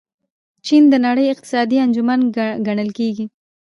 چین د نړۍ اقتصادي انجن ګڼل کیږي.